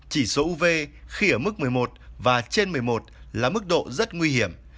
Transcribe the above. chỉ số uv khi ở mức một mươi một và trên một mươi một là mức độ rất nguy hiểm